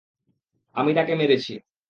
আমি তাকে মেরেছি।